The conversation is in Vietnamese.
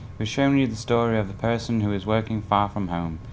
nguyễn cường đang học tập tại canada nhắn gửi tới bạn bè tại việt nam với lời nhắn